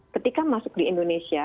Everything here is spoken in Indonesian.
ketika masuk di indonesia